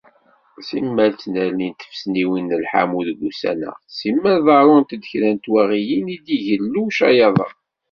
Simmal ttnernint tfesniwin n lḥamu deg wussan-a, simmal ḍerrunt-d kra n twaɣiyin i d-igellu ucayaḍ-a.